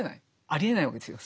ありえないわけですよ